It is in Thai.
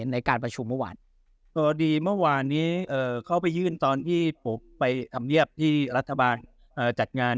ในการประชุมเมื่อวานพอดีเมื่อวานนี้เขาไปยื่นตอนที่ผมไปทำเนียบที่รัฐบาลจัดงาน